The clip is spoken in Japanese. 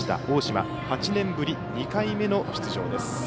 大島、８年ぶり２回目の出場です。